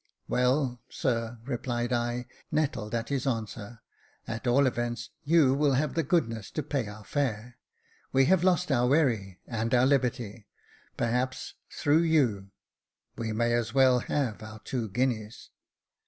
'* Well, sir," replied I, nettled at his answer, " at all events you will have the goodness to pay us our fare. We have lost our wherry, and our liberty, perhaps, through you j we may as well have our two guineas."